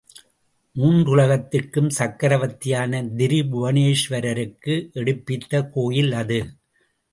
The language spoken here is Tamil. மூன்றுலகத்திற்கும் சக்கவர்த்தியான திரிபுவனேஸ்வரருக்கு, எடுப்பித்த கோயில் அது.